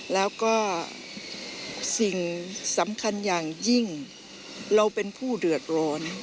แล้วก็สิ่งสำคัญอย่างยิ่งเราเป็นผู้เดือดร้อน